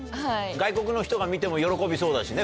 外国の人が見ても喜びそうだしね